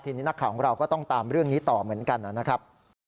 ทีนี้นักข่าวของเราก็ต้องตามเรื่องนี้ต่อเหมือนกันนะครับ